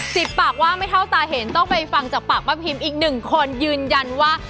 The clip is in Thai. สิบปากว่าไม่เท่าตาเห็นต้องไปฟังจากปากป้าพิมอีกหนึ่งคนยืนยันว่า